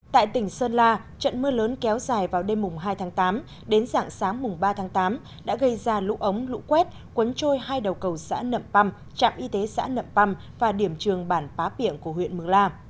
tại tỉnh sơn la trận mưa lớn kéo dài vào đêm mùng hai tháng tám đến giảng sáng mùng ba tháng tám đã gây ra lũ ống lũ quét quấn trôi hai đầu cầu xã nậm păm trạm y tế xã nậm păm và điểm trường bản bá biển của huyện mương la